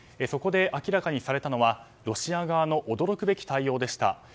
そこで明らかにされたのはロシア側の驚くべき対応でした。